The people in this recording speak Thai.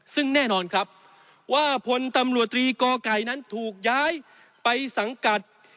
ซึ่งแน่นอนครับว่าพลตำรวจตรีกอไก่นั้นถูกย้ายไปสังกัด